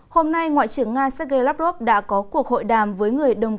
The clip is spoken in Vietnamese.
hôm nay ngoại trưởng nga sergei lavrov đã có cuộc hội đàm với người đồng